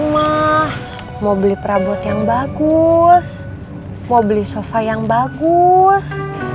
mah mau beli perabot yang bagus mau beli sofa yang bagus